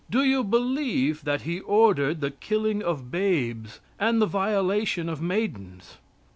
Do you believe that He ordered the killing of babes and the violation of maidens?